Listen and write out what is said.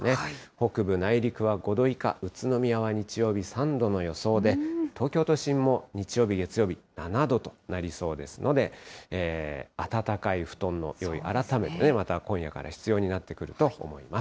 北部、内陸は５度以下、宇都宮は日曜日３度の予想で、東京都心も日曜日、月曜日、７度となりそうですので、暖かい布団の用意、改めて、また今夜から必要になってくると思います。